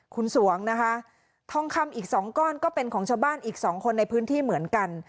คุณสวงนะคะทองคำอีกสองก้อนก็เป็นของชาวบ้านอีกสองคนในพื้นที่เหมือนกัน